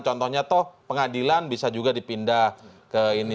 contohnya toh pengadilan bisa juga dipindah ke ini